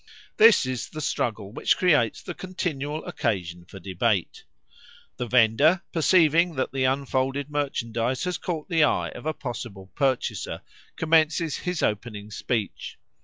This is the struggle which creates the continual occasion for debate. The vendor, perceiving that the unfolded merchandise has caught the eye of a possible purchaser, commences his opening speech.